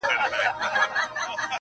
خو زاړه کسان تل د هغې کيسه يادوي په درد,